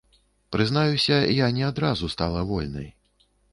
Прызнаюся, я не адразу стала вольнай.